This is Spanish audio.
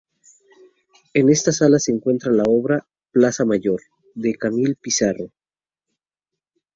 En esta sala se encuentra la obra "Plaza Mayor" de Camille Pissarro.